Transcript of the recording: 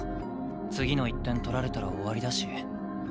次の１点取られたら終わりだし。